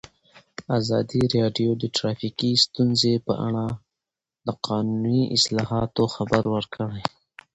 ازادي راډیو د ټرافیکي ستونزې په اړه د قانوني اصلاحاتو خبر ورکړی.